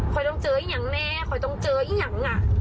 ต้องเจออีกอย่างแม่คอยต้องเจออีกอย่าง